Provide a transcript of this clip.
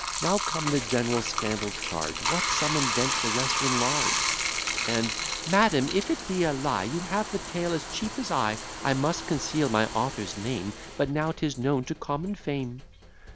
Now comes the general scandal charge; What some invent, the rest enlarge; And, "Madam, if it be a lie, You have the tale as cheap as I; I must conceal my author's name: But now 'tis known to common fame."